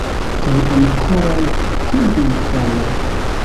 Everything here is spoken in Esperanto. Kaj ankoraŭ kun infano!